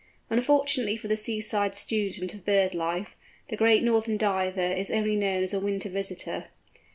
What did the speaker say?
Unfortunately for the seaside student of bird life, the Great Northern Diver is only known as a winter visitor.